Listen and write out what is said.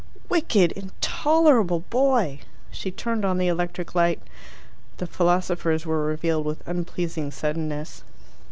"Wicked, intolerable boy!" She turned on the electric light. The philosophers were revealed with unpleasing suddenness.